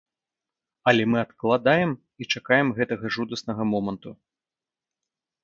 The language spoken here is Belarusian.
Але мы адкладаем і чакаем гэтага жудаснага моманту.